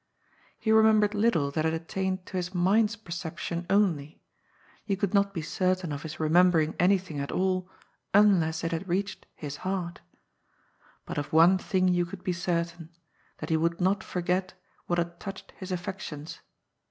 He remembered little that had attained to his mind's perception only ; you could not be certain of his remembering anything at all, unless it had reached his heart But of one thing you could be cer tain, that he would not forget what had touched his affec tions.